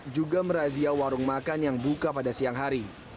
juga merazia warung makan yang buka pada siang hari